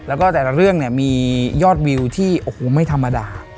แล้วก็แต่ละเรื่องมียอดวิวที่ไม่ธรรมดา